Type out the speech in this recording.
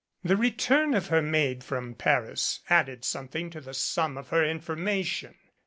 The return of her maid from Paris added something to the sum of her information.